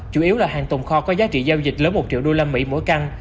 chủ yếu là hàng tồn kho có giá trị giao dịch lớn một triệu usd mỗi căn